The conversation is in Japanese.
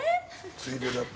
ついでだって。